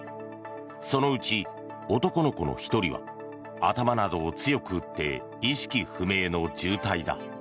そのうち、男の子の１人は頭などを強く打って意識不明の重体だ。